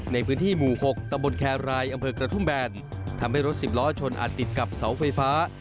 ในพื้นที่หมู่๖ตำบลแครรายอำเภอกระทุ่มแบนทำให้รถสิบล้อชนอัดติดกับเสาไฟฟ้า